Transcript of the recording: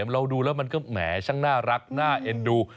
เราดูแล้วมันก็แหมช่างน่ารักน่าเอ็นดู